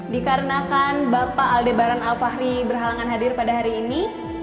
dikarenakan bapak aldebaran alfahri berhalangan hadir pada hari ini